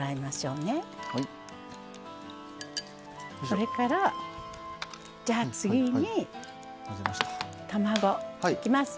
それからじゃあ次に卵を溶きますね。